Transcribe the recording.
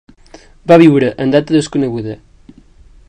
Va viure en data desconeguda.